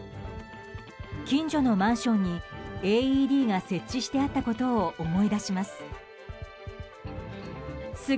近所のマンションにＡＥＤが設置してあったことを思い出します。